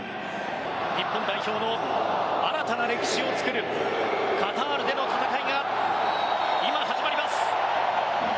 日本代表の新たな歴史を作るカタールでの戦いが今、始まります。